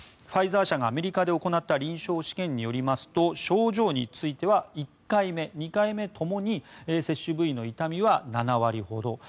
ファイザー社がアメリカで行った臨床試験によりますと症状については１回目、２回目ともに接種部位の痛みは７割ほど。